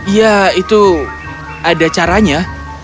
ya itu ada caranya